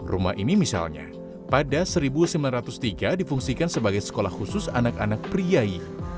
rumah ini misalnya pada seribu sembilan ratus tiga difungsikan sebagai sekolah khusus anak anak priai